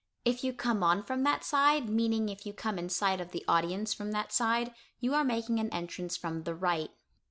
If you come on from that side (meaning if you come in sight of the audience from that side) you are making an entrance from the right.